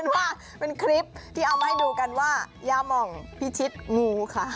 เอาเป็นให้ดูกันว่าอย่ามองพิชิตมูค่ะ